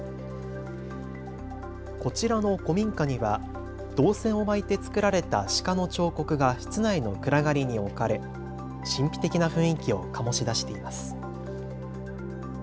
こちらの古民家には銅線を巻いてつくられた鹿の彫刻が室内の暗がりに置かれ神秘的な雰囲気を醸し出しています。